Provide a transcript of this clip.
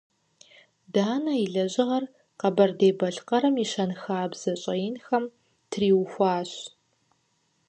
Данэ и лэжьыгъэр Къэбэрдей-Балъкъэрым и щэнхабзэ щӀэинхэм триухуащ.